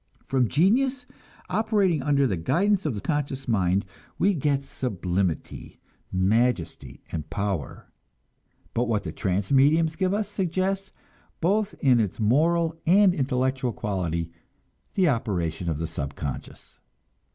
From genius, operating under the guidance of the conscious mind, we get sublimity, majesty and power; but what the trance mediums give us suggests, both in its moral and intellectual quality, the operation of the subconscious.